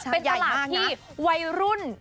เป็นตลาดที่วัยรุ่น